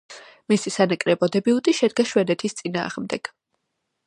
მისი სანაკრებო დებიუტი შედგა შვედეთის წინააღმდეგ.